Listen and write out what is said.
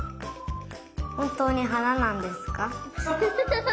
ほんとうにはななんですか？